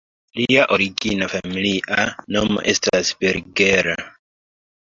Lia origina familia nomo estis "Berger".